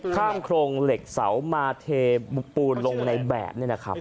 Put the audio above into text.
ข้ามโครงเหล็กเสามาเทปูนลงในแบบ